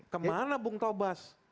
kemana bung tobas